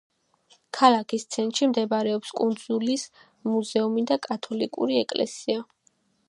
ქალაქის ცენტრში მდებარეობს კუნძულის მუზეუმი და კათოლიკური ეკლესია.